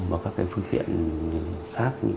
và các phương tiện khác